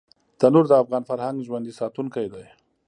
تنور د افغان فرهنګ ژوندي ساتونکی دی